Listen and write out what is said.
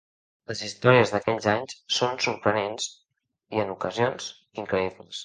Les històries d"aquells anys són sorprenents i, en ocasions, increïbles.